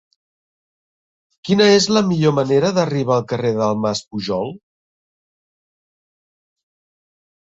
Quina és la millor manera d'arribar al carrer del Mas Pujol?